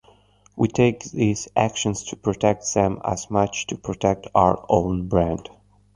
We take these actions to protect them as much to protect our own brand.